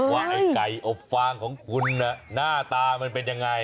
ว่าไอ้ไก่อบฟางของคุณหน้าตามันเป็นยังไง